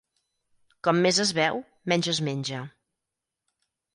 Com més es beu, menys es menja.